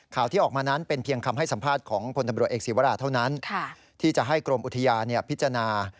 ที่ออกมานั้นเป็นเพียงคำให้สัมภาษณ์ของพลตำรวจเอกศีวราเท่านั้นที่จะให้กรมอุทยานพิจารณา